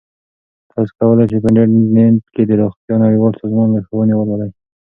تاسو کولی شئ په انټرنیټ کې د روغتیا نړیوال سازمان لارښوونې ولولئ.